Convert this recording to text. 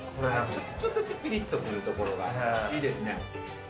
ちょっとだけぴりっとくるところがいいですね。